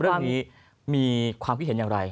เรื่องนี้มีความคิดเห็นอย่างไร